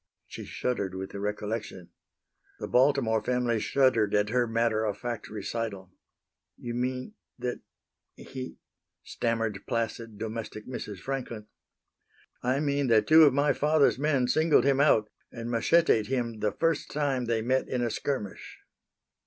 She shuddered with the recollection. The Baltimore family shuddered at her matter of fact recital. "You mean that he" stammered placid, domestic Mrs. Franklin. "I mean that two of my father's men singled him out and macheted him the first time they met in a skirmish."